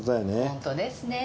本当ですね。